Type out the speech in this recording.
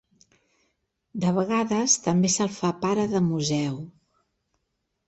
De vegades també se'l fa pare de Museu.